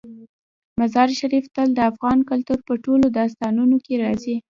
مزارشریف تل د افغان کلتور په ټولو داستانونو کې راځي.